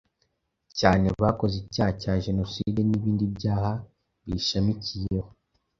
cyane bakoze icyaha cya jenoside n’ibindi byaha biyishamikiyeho.